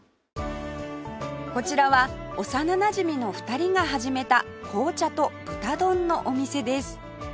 こちらは幼なじみの２人が始めた紅茶と豚丼のお店です